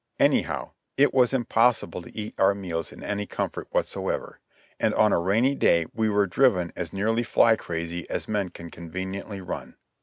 Anyhow, it was impossible to eat our meals in any comfort whatsoever ; and on a rainy day we were driven as nearly fly crazy as men can conveniently run.